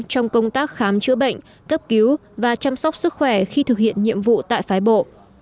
trong công tác khám chữa bệnh cấp cứu và chăm sóc sức khỏe khi thực hiện nhiệm vụ tại phái bộ